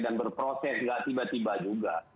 dan berproses juga tiba tiba juga